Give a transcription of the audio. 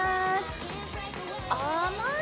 甘い！